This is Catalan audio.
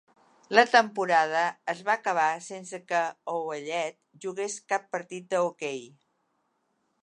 La temporada es va acabar sense que Ouellet jugués cap partit de hoquei.